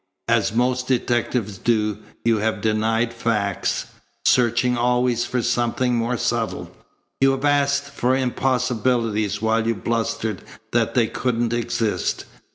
As most detectives do, you have denied facts, searching always for something more subtle. You have asked for impossibilities while you blustered that they couldn't exist.